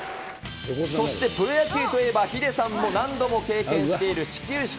そしてプロ野球といえば、ヒデさんも何度も経験している始球式。